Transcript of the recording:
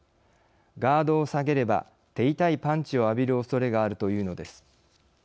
ガードを下げれば手痛いパンチを浴びるおそれがあるというのです。